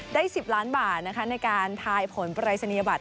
ได้๑๐ล้านบาทนะคะในการท้ายผลปรายศนียบัตร